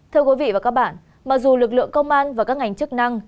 thưa quý vị và các bạn mặc dù lực lượng công an và các ngành chức năng